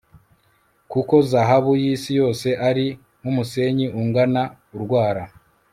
kuko zahabu y'isi yose ari nk'umusenyi ungana urwara